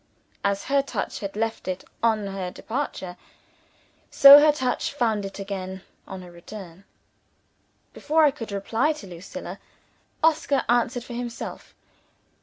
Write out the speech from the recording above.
As her touch had left it on her departure, so her touch found it again, on her return. Before I could reply to Lucilla, Oscar answered for himself.